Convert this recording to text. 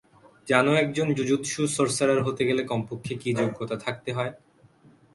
জানো একজন jujutsu sorcerer হতে গেলে কমপক্ষে কী যোগ্যতা থাকতে হয়?